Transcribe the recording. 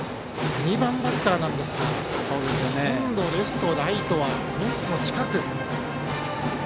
２番バッターなんですがほとんどレフト、ライトはフェンスの近く。